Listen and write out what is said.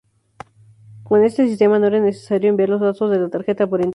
Con este sistema no era necesario enviar los datos de la tarjeta por internet.